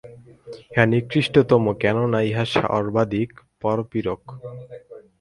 ইহা নিকৃষ্টতম, কেন-না ইহা সর্বাধিক পরপীড়ক।